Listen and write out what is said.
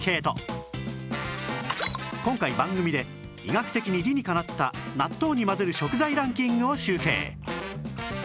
今回番組で医学的に理にかなった納豆に混ぜる食材ランキングを集計